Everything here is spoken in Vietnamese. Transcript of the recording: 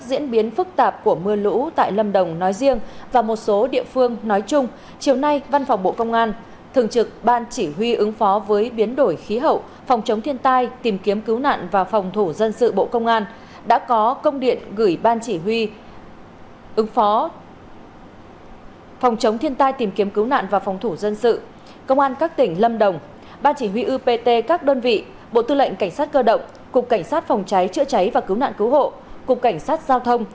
trước diễn biến phức tạp của mưa lũ tại lâm đồng nói riêng và một số địa phương nói chung chiều nay văn phòng bộ công an thường trực ban chỉ huy ứng phó với biến đổi khí hậu phòng chống thiên tai tìm kiếm cứu nạn và phòng thủ dân sự bộ công an đã có công điện gửi ban chỉ huy ứng phó phòng chống thiên tai tìm kiếm cứu nạn và phòng thủ dân sự công an các tỉnh lâm đồng ban chỉ huy ưu pt các đơn vị bộ tư lệnh cảnh sát cơ động cục cảnh sát phòng cháy chữa cháy và cứu nạn cứu hộ